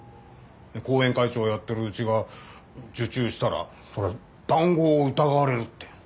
後援会長やってるうちが受注したら談合を疑われるって。